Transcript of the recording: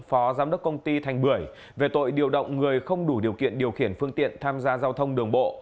phó giám đốc công ty thành bưởi về tội điều động người không đủ điều kiện điều khiển phương tiện tham gia giao thông đường bộ